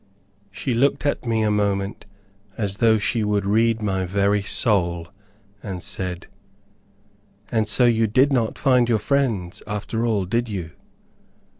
She looked at me a moment as though she would read my very soul, and said, "And so you did not find your friends, after all, did you?"